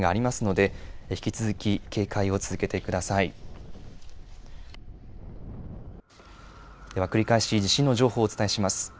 では、繰り返し地震の情報をお伝えします。